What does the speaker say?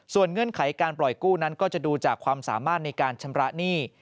เงื่อนไขการปล่อยกู้นั้นก็จะดูจากความสามารถในการชำระหนี้